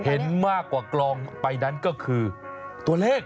เห็นมากกว่ากลองไปนั้นก็คือตัวเลข